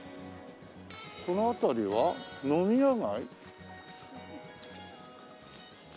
その辺りは飲み屋街？